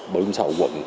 bộ hiểm xã hội quận